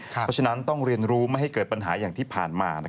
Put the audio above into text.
เพราะฉะนั้นต้องเรียนรู้ไม่ให้เกิดปัญหาอย่างที่ผ่านมา